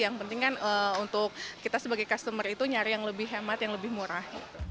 yang penting kan untuk kita sebagai customer itu nyari yang lebih hemat yang lebih murah